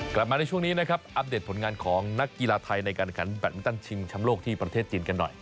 กลับมาในช่วงนี้นะครับอัปเดตผลงานของนักกีฬาไทยในการขันแบตมินตันชิงชำโลกที่ประเทศจีนกันหน่อย